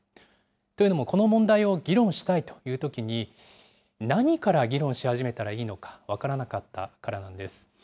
というのも、この問題を議論したいというときに、何から議論し始めたらいいのか分からなかったからなんです。